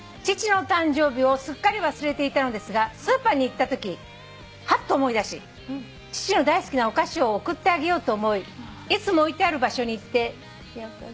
「父の誕生日をすっかり忘れていたのですがスーパーに行ったときはっと思い出し父の大好きなお菓子を送ってあげようと思いいつも置いてある場所に行って」